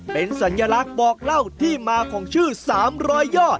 เป็นสัญลักษณ์บอกเล่าที่มาของชื่อ๓๐๐ยอด